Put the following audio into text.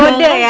kode banget ya